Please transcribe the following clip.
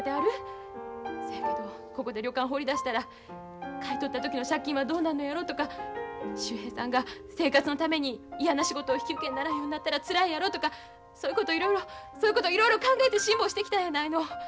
そやけどここで旅館放り出したら買い取った時の借金はどうなるのやろとか秀平さんが生活のために嫌な仕事を引き受けんならんようになったらつらいやろとかそういうことをいろいろそういうことをいろいろ考えて辛抱してきたんやないの。